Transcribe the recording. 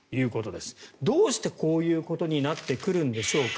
どうして、こういうことになってくるんでしょうか。